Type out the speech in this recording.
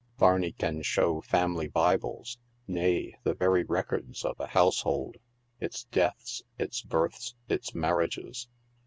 Bar ney can show family bibles, nay, with the very records of a house hold—its deaths, its births, its marriages.